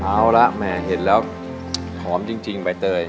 เอาละแหมเห็นแล้วหอมจริงใบเตย